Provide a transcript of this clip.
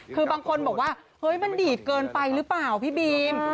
คือบางคนบอกว่าเฮ้ยมันดีดเกินไปหรือเปล่าพี่บีม